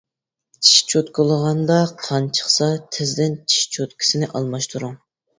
چىش چوتكىلىغاندا قان چىقسا تېزدىن چىش چوتكىسىنى ئالماشتۇرۇڭ.